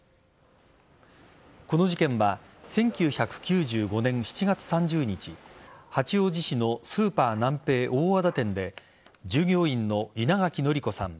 この事件は１９９５年７月３０日八王子市のスーパーナンペイ大和田店で従業員の稲垣則子さん